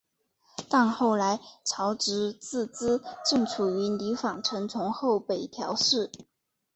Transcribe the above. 但后来朝直自资正处离反臣从后北条氏。